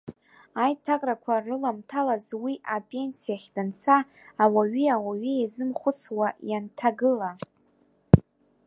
Аиҭакрақәа рыламҭалаз уи апенсиахь данца, ауаҩи-ауаҩи еизымхәыцуа ианҭагыла…